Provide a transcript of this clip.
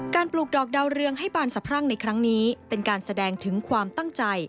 ปลูกดอกดาวเรืองให้บานสะพรั่งในครั้งนี้เป็นการแสดงถึงความตั้งใจ